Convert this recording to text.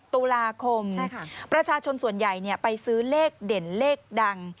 ตุลาคมประชาชนส่วนใหญ่ไปซื้อเลขเด่นเลขดัง